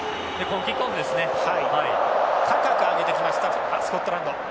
高く上げてきましたスコットランド。